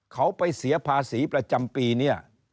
เขาไปเสียภาษีประจำปีเนี่ย